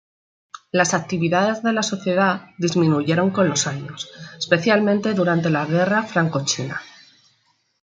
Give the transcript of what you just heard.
Las actividades de la sociedad disminuyeron con los años, especialmente durante la guerra franco-china.